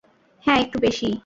হা, একটু বেশিই।